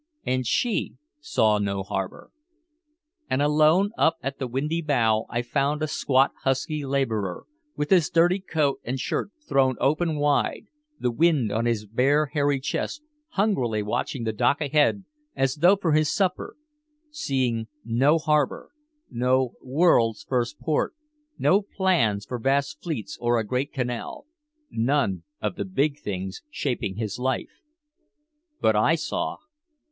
And she saw no harbor. And alone up at the windy bow I found a squat husky laborer with his dirty coat and shirt thrown open wide, the wind on his bare hairy chest, hungrily watching the dock ahead as though for his supper seeing no harbor, no world's first port, no plans for vast fleets or a great canal, none of the big things shaping his life. But I saw.